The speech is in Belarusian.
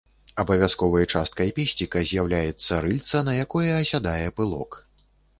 Абавязковай часткай песціка з'яўляецца рыльца, на якое асядае пылок.